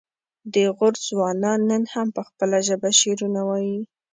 د غور ځوانان نن هم په خپله ژبه شعرونه وايي